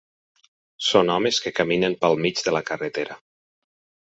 Són homes que caminen pel mig de la carretera.